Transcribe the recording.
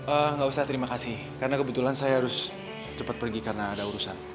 oh nggak usah terima kasih karena kebetulan saya harus cepat pergi karena ada urusan